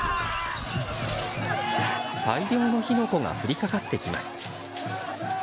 大量の火の粉が降りかかってきます。